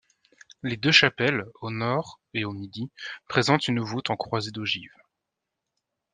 Les deux chapelles, au nord et au midi, présentent une voûte en croisée d'ogive.